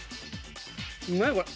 何これ？